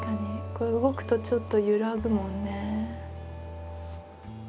これ動くとちょっと揺らぐもんね。